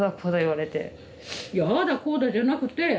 いやああだこうだじゃなくて。